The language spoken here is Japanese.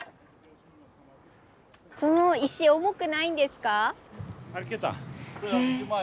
その石重くないんですか？